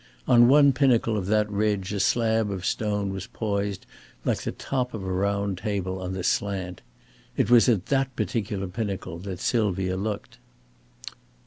On one pinnacle of that ridge a slab of stone was poised like the top of a round table on the slant. It was at that particular pinnacle that Sylvia looked.